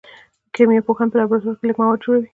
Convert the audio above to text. کیمیا پوهان په لابراتوار کې لږ مواد جوړوي.